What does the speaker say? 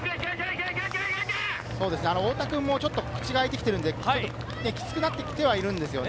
太田君も口が開いてきているので、きつくなってきているんですよね。